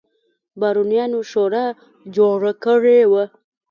بارونیانو شورا جوړه کړې وه.